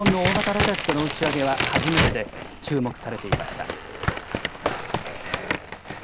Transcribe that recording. Ｈ３の打ち上げ失敗以降、日本の大型ロケットの打ち上げは初めてで、注目されていました。